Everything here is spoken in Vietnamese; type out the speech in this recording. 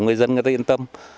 người dân người ta yên tâm